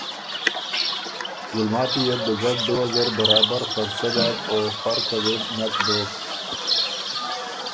ګلماتی يې بو دُوګډ دُوه زر برابر خرڅۀ داک، او فرقه وې بو نک دوک